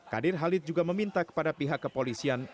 kadir halid juga meminta kepada pihak kepolisian